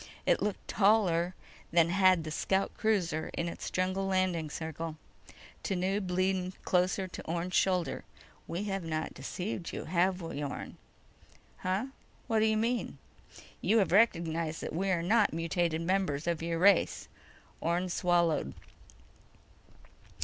It looked taller than had the scout cruiser in its jungle landing circle. Tanub leaned close to Orne's shoulder. "We have not deceived you, have we, Orne?" "Huh? What do you mean?" "You have recognized that we are not mutated members of your race." Orne swallowed.